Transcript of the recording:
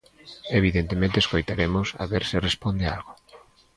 Evidentemente, escoitaremos a ver se responde algo.